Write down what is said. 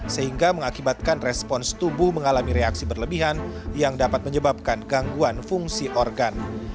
sehingga mengakibatkan respons tubuh mengalami reaksi berlebihan yang dapat menyebabkan gangguan fungsi organ